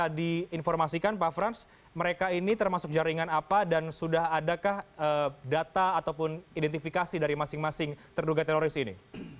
bisa diinformasikan pak frans mereka ini termasuk jaringan apa dan sudah adakah data ataupun identifikasi dari masing masing terduga teroris ini